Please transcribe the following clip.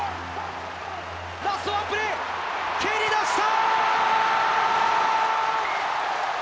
ラストワンプレー、蹴りだした。